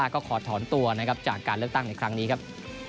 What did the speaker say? ก็ขอถอนตัวนะครับจากการเลือกตั้งในครั้งนี้ครับ